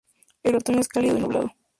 El otoño es cálido y nublado.